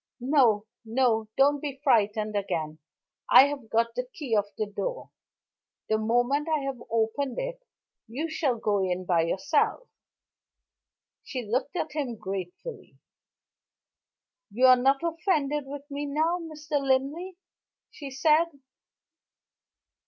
No! no! don't be frightened again. I have got the key of the door. The moment I have opened it, you shall go in by yourself." She looked at him gratefully. "You are not offended with me now, Mr. Linley," she said.